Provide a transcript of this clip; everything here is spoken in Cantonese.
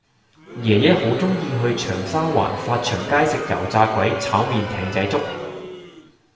爺爺好鍾意去長沙灣發祥街食油炸鬼炒麵艇仔粥